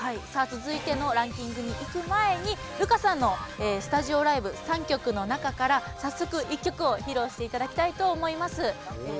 続いてのランキングにいく前にルカさんのスタジオライブ３曲の中から早速１曲を披露していただきたいと思います。